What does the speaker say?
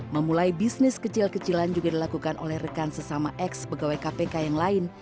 memulai bisnis kecil kecilan juga dilakukan oleh rekan sesama ex pegawai kpk yang lain